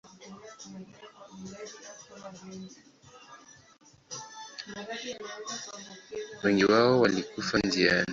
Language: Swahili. Wengi wao walikufa njiani.